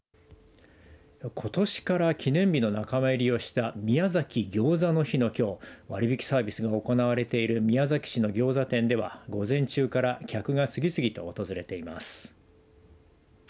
ことしから記念日の仲間入りをした宮崎ぎょうざの日のきょう割引サービスが行われている宮崎市のぎょうざ店では午前中から客が次々と訪れています。